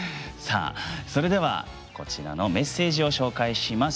それでは、こちらのメッセージを紹介します。